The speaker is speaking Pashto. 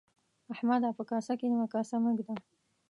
احمده! په کاسه کې نيمه کاسه مه اېږده.